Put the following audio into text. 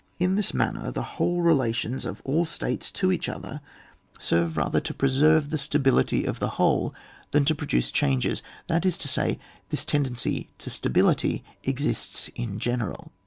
In this manner the whole relations of all states to each other serve rather to pre VOL. n. G serve the stability of the whole than to produce changes, that is to say, this tendency to stability exists in general.